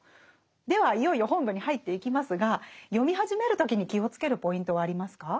ではいよいよ本文に入っていきますが読み始める時に気を付けるポイントはありますか？